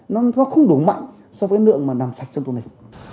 nó không đủ mạnh so với lượng mà làm sạch sông thu thịch